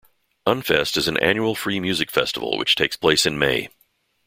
Unfest is an annual free music festival which takes place in May.